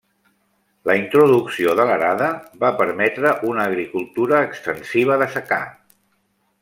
La introducció de l'arada va permetre una agricultura extensiva de secà.